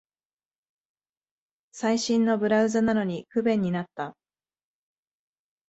最新のブラウザなのに不便になった